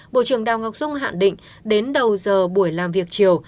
bộ trưởng đào ngọc dung hạn định đến đầu giờ buổi làm việc chiều